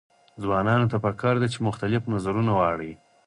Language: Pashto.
ځوانانو ته پکار ده چې، مختلف نظرونه واوري.